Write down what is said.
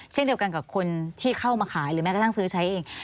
เช่นเดียวกันกับคนที่เข้ามาขายหรือแม้กระทั่งซื้อใช้เอง